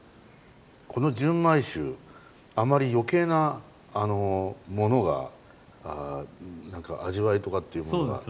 この純米酒あまり余計なものが味わいとかっていうものがない